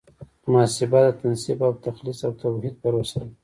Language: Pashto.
محاسبه د تنصیف او تخلیص او توحید پروسه ده.